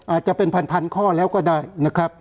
อาจจะเป็นพันข้อแล้วก็ได้นะครับ